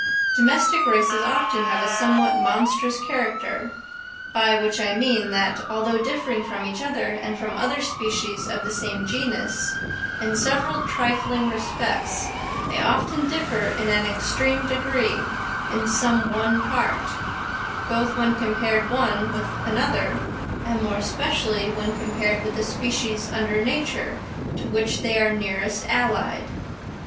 Domestic races often have a somewhat monstrous character; by which I mean, that, although differing from each other and from other species of the same genus, in several trifling respects, they often differ in an extreme degree in some one part, both when compared one with another, and more especially when compared with the species under nature to which they are nearest allied.